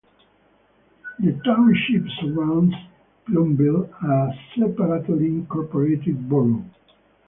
The township surrounds Plumville, a separately incorporated borough.